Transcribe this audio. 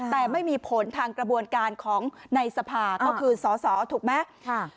แต่ไม่มีผลทางกระบวนการของในสภาก็คือสอสอถูกไหม